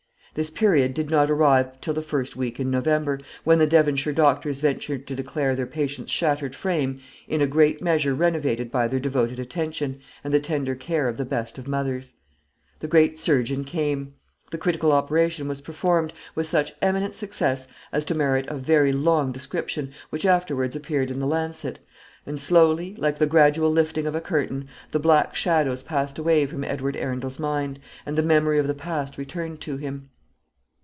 This period did not arrive till the first week in November, when the Devonshire doctors ventured to declare their patient's shattered frame in a great measure renovated by their devoted attention, and the tender care of the best of mothers. The great surgeon came. The critical operation was performed, with such eminent success as to merit a very long description, which afterwards appeared in the Lancet; and slowly, like the gradual lifting of a curtain, the black shadows passed away from Edward Arundel's mind, and the memory of the past returned to him.